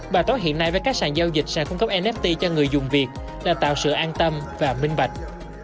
bài toán hiện nay với các sàn giao dịch sẽ cung cấp nft cho người dùng việt là tạo sự an tâm và minh bạch